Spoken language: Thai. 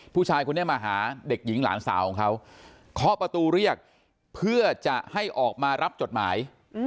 ผู้ชายคนนี้มาหาเด็กหญิงหลานสาวของเขาเคาะประตูเรียกเพื่อจะให้ออกมารับจดหมาย